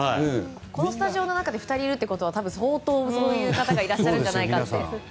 このスタジオの中に２人いるということは相当そういう方がいらっしゃるんじゃないかと。